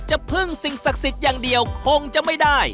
พึ่งสิ่งศักดิ์สิทธิ์อย่างเดียวคงจะไม่ได้